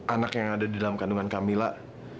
anak yang ada di dalam kandungan camilla